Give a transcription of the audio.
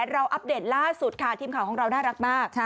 อัปเดตล่าสุดค่ะทีมข่าวของเราน่ารักมาก